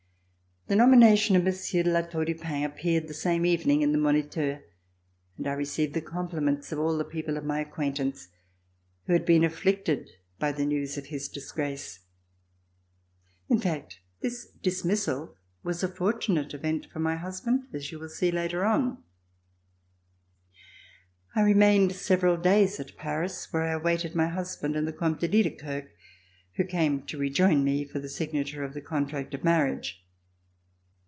The nomination of Monsieur de La Tour du Pin appeared the same evening in the "Moniteur," and I received the compliments of all the people of my acquaintance who had been afflicted by the news of his disgrace. In fact this dismissal was a fortunate event for my husband, as you will see later on. C375] RECOLLECTIONS OF THE REVOLUTION I remained several days at Paris where I awaited my husband and the Comte de Liedekerke who came to rejoin me for the signature of the contract of marriage.